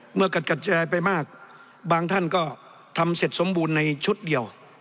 เมื่อกัดแจไปมากบางท่านก็ทำเสร็จสมบูรณ์ในชุดเดียว